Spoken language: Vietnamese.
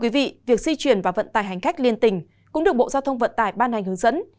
việc di chuyển và vận tải hành khách liên tỉnh cũng được bộ giao thông vận tải ban hành hướng dẫn